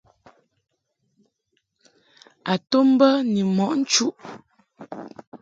A to mbə ni mɔʼ nchuʼ.